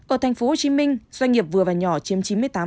ở tp hcm doanh nghiệp vừa và nhỏ chiếm chín mươi tám